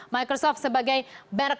microsoft sebagai merk